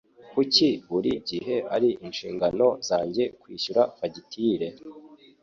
Kuki buri gihe ari inshingano zanjye kwishyura fagitire?